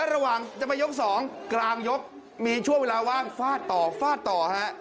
ระหว่างจะไปยก๒กลางยกมีช่วงเวลาว่างฟาดต่อฟาดต่อฮะ